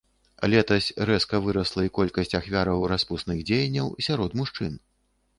Летась рэзка вырасла і колькасць ахвяраў распусных дзеянняў сярод мужчын.